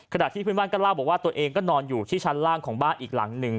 ที่เพื่อนบ้านก็เล่าบอกว่าตัวเองก็นอนอยู่ที่ชั้นล่างของบ้านอีกหลังหนึ่ง